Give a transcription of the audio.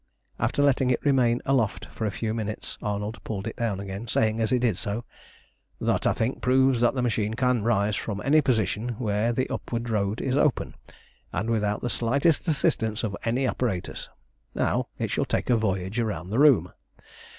After letting it remain aloft for a few minutes Arnold pulled it down again, saying as he did so "That, I think, proves that the machine can rise from any position where the upward road is open, and without the slightest assistance of any apparatus. Now it shall take a voyage round the room.